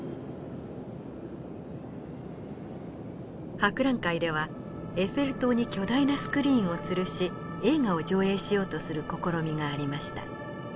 博覧会ではエッフェル塔に巨大なスクリーンをつるし映画を上映しようとする試みがありました。